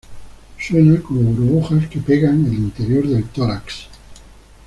Suena como burbujas que pegan el interior del tórax.